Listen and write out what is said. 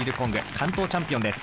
関東チャンピオンです。